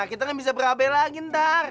kita gak bisa ber hb lagi entar